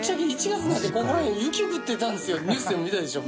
ニュースでも見たでしょ？